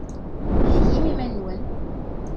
Heyyim iman-nwen!